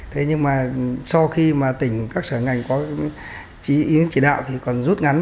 thế nhưng mà so khi mà tỉnh các sở ngành có ý chỉ đạo thì còn rút ngắn